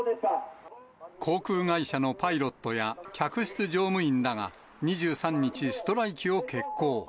航空会社のパイロットや客室乗務員らが２３日、ストライキを決行。